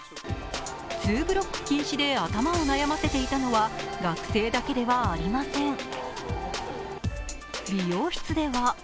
ツーブロック禁止で頭を悩ませていたのは学生だけではありません。